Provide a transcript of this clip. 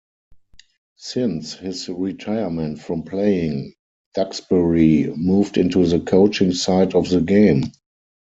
Since his retirement from playing, Duxbury moved into the coaching side of the game.